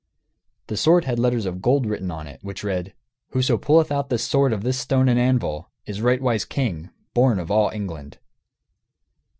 The sword had letters of gold written on it, which read: "Whoso pulleth out this sword of this stone and anvil is rightwise king born of all England."